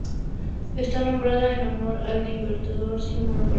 Está nombrada en honor al libertador Simón Bolívar.